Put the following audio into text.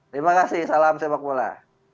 terima kasih salam sepak bola